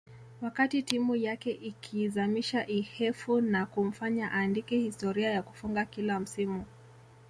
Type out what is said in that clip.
wakati timu yake ikiizamisha Ihefu na kumfanya aandike historia ya kufunga kila msimu